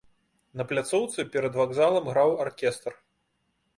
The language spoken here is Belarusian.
На пляцоўцы перад вакзалам граў аркестр.